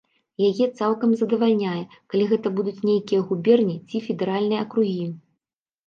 Яе цалкам задавальняе, калі гэта будуць нейкія губерні ці федэральныя акругі.